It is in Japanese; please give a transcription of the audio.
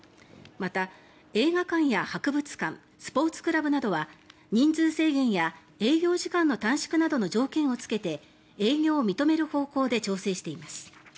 また、映画館や博物館スポーツクラブなどは人数制限や営業時間の短縮などの条件をつけて営業を認める方向で調整しています。